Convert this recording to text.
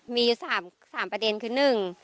มี๓ประเด็นคือ